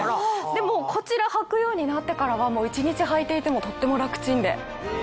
でもこちらはくようになってからは一日はいていてもとっても楽ちんで。